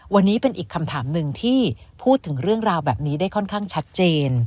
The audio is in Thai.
วันนี้เป็นอีกคำถามหนึ่งที่พูดถึงเรื่องราวแบบนี้ได้ค่อนข้างชัดเจน